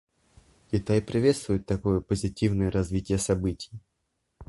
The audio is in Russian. Китай приветствует такое позитивное развитие событий.